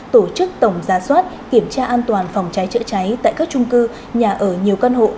tổ chức tổng gia soát kiểm tra an toàn phòng cháy chữa cháy tại các trung cư nhà ở nhiều căn hộ